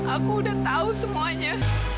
aku sudah tahu semuanya